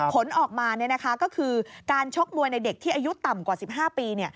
ผลออกมาก็คือการชกมวยในเด็กที่อายุต่ำกว่า๑๕ปี